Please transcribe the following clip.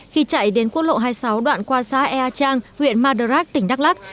khi chạy đến quốc lộ hai mươi sáu đoạn qua xá ea trang huyện mờ trắc tỉnh đắk lắk